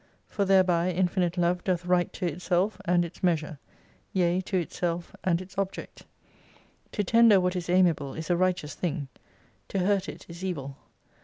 For thereby infinite Love doth right to itself and its measure : yea, to itself and its object. To tender what is ami able is a righteous thing : to hurt it is evil.